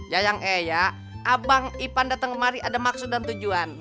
yayang eya abang ipan datang kemari ada maksud dan tujuan